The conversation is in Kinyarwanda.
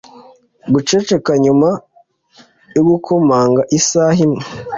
guceceka nyuma yo gukomanga isaha imwe